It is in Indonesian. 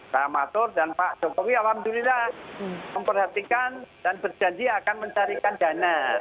pak amatur dan pak jokowi alhamdulillah memperhatikan dan berjanji akan mencarikan dana